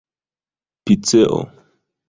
piceo